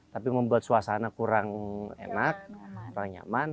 tapi membuat suasana kurang enak kurang nyaman